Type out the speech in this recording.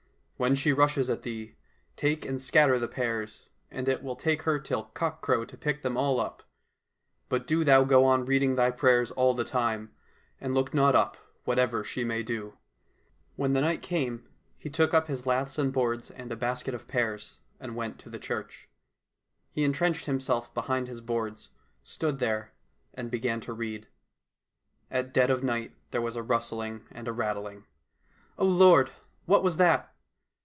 When she rushes at thee, take and scatter the pears, and it will take her till cockcrow to pick them all up. But do thou go on reading thy prayers all the time, and look not up, whatever she may do." When night came, he took up his laths and boards and a basket of pears, and went to the church. He entrenched himself behind his boards, stood there and began to read. At dead of night there was a rustling and a rattling. O Lord ! what was that